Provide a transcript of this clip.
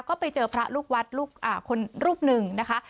ก็ไปเจอพระลูกวัดรูปหนึ่งนะคะ